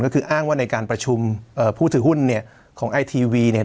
ก็คืออ้างว่าในการประชุมเอ่อผู้ถือหุ้นเนี่ยของไอทีวีเนี่ย